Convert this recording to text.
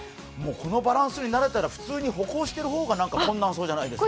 このバランスになれたら普通に歩行する方が困難そうじゃないですか？